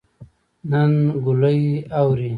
نن ګلۍ اوري